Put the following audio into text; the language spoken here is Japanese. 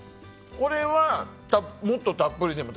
これはもっとたっぷりでも。